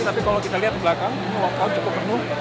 tapi kalau kita lihat ke belakang ini lockdown cukup penuh